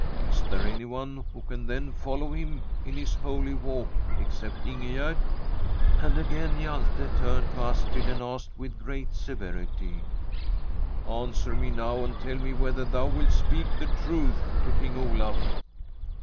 Is there anyone who can, then, follow him in his holy walk except In gegerd ?' And again Hjalte turned to Astrid and asked with great severity :' Answer me now and tell me whether thou wilt speak the truth to King; Olaf